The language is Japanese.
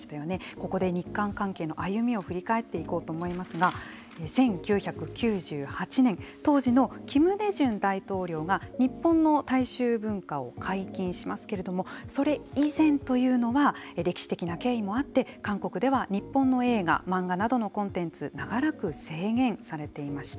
ここで日韓関係の歩みを振り返っていこうと思いますが１９９８年当時のキム・デジュン大統領が日本の大衆文化を解禁しますけれどもそれ以前というのは歴史的な経緯もあって韓国では日本の映画漫画などのコンテンツ長らく制限されていました。